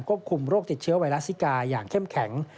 คุมโรคติดเชื้อไวรัสซิกาอย่างเข้มแข็ง